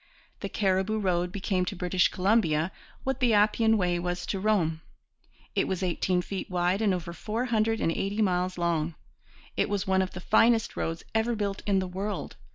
The Cariboo Road became to British Columbia what the Appian Way was to Rome. It was eighteen feet wide and over four hundred and eighty miles long. It was one of the finest roads ever built in the world.